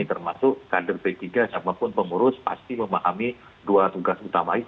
termasuk kader p tiga siapapun pengurus pasti memahami dua tugas utama itu